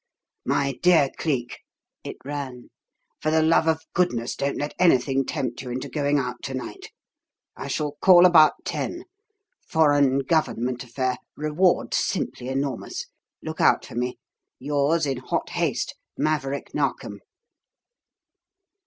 "My dear Cleek," it ran. "For the love of goodness don't let anything tempt you into going out to night. I shall call about ten. Foreign government affair reward simply enormous. Look out for me. Yours, in hot haste MAVERICK NARKOM."